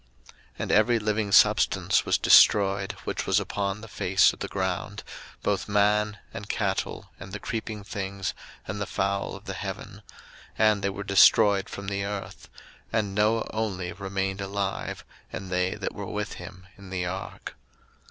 01:007:023 And every living substance was destroyed which was upon the face of the ground, both man, and cattle, and the creeping things, and the fowl of the heaven; and they were destroyed from the earth: and Noah only remained alive, and they that were with him in the ark.